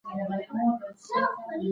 ګلبدین اکا په کرونده کی کار کوي